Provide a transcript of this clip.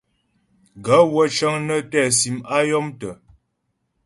Gaə̂ wə́ cə́ŋ nə́ tɛ́ sim a yɔ̀mtə́.